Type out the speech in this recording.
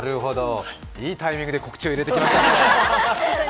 いいタイミングで告知を入れてきましたね。